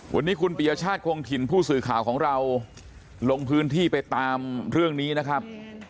วันนี้คุณปียชาติคงถิ่นผู้สื่อข่าวของเราลงพื้นที่ไปตามเรื่องนี้นะครับ